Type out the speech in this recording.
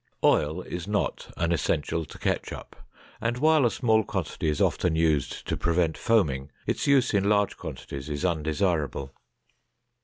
Oil is not an essential to ketchup, and while a small quantity is often used to prevent foaming, its use in large quantities is undesirable.